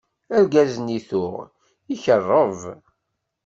Argaz-nni tuɣ ikeṛṛeb.